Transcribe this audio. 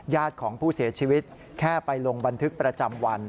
ของผู้เสียชีวิตแค่ไปลงบันทึกประจำวัน